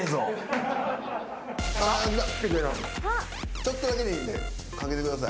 ちょっとだけでいいんで掛けてください。